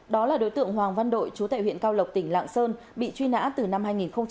đó là đối tượng hoàng văn đội chú tại huyện cao lộc tỉnh lạng sơn bị truy nã từ năm hai nghìn một mươi